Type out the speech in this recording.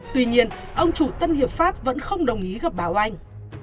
tuy nhiên ông chủ tân hiệp pháp vẫn không đồng ý gặp báo anh